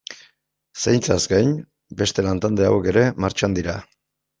Zaintzaz gain, beste lantalde hauek ere martxan dira.